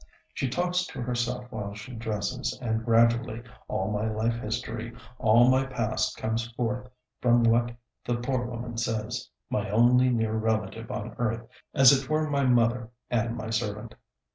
She talks to herself while she dresses, and gradually all my life history, all my past comes forth from what the poor woman says, my only near relative on earth; as it were my mother and my servant.